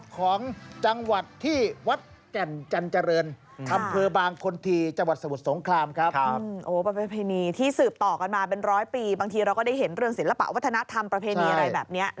บางทีเราก็ได้เห็นเรื่องศิลปะวัฒนธรรมประเภนีอะไรแบบเนี้ยใช่